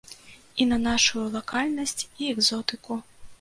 І на нашую лакальнасць і экзотыку.